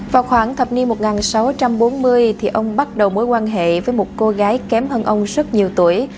vào khoảng thập niên một nghìn sáu trăm bốn mươi ông bắt đầu mối quan hệ với một cô gái kém hơn ông rất nhiều tuổi